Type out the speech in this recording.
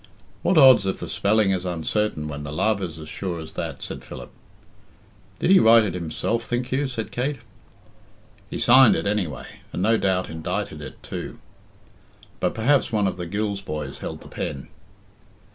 "What odds if the spelling is uncertain when the love is as sure as that?" said Philip. "Did he write it himself, think you?" said Kate. "He signed it, anyway, and no doubt indited it too; but perhaps one of the Gills boys held the pen."